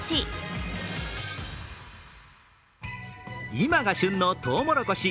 今が旬のとうもろこし。